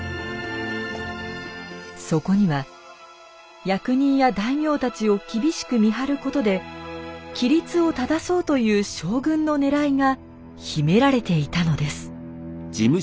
そこには役人や大名たちを厳しく見張ることで規律を正そうという将軍のねらいが秘められていたのです。